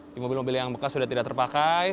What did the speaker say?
di mobil mobil yang bekas sudah tidak terpakai